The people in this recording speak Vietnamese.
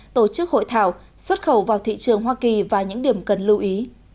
tổ chức hội thảo xuất khẩu vào thị trường hoa kỳ và những điểm cần lưu ý